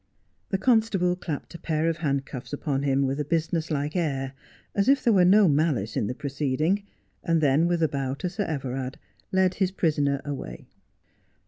The constable clapped a pair of handcuffs upon him with a business like air, as if there were no malice in the proceeding, and then with a bow to Sir Everard led his prisoner away.